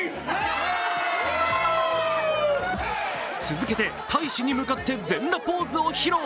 続けて大使に向かって全裸ポーズを披露。